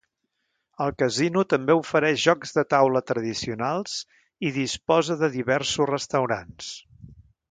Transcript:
El casino també ofereix jocs de taula tradicionals i disposa de diversos restaurants.